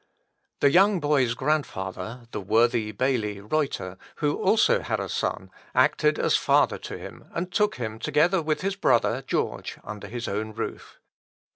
The young boy's grandfather, the worthy bailie Reuter, who had also a son, acted as a father to him, and took him, together with his brother, George, under his own roof.